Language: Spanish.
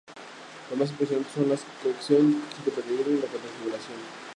Los más impresionantes son "La crucifixión", "Cristo peregrino" y "La transfiguración".